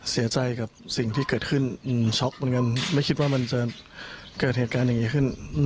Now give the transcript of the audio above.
เสียใจกับสิ่งที่เกิดขึ้นช็อกเหมือนกันไม่คิดว่ามันจะเกิดเหตุการณ์อย่างนี้ขึ้น